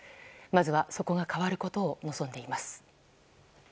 まずはそこが変わることを望んでいます。